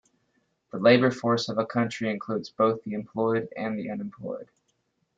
The labor force of a country includes both the employed and the unemployed.